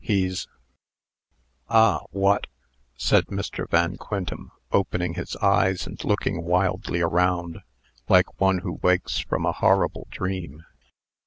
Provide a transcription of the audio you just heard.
He's " "Ah! what?" said Mr. Van Quintem, opening his eyes, and looking wildly around, like one who wakes from a horrible dream.